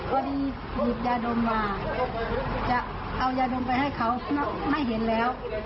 พอดีหยิบยาดมมาจะเอายาดมไปให้เขาไม่เห็นแล้ว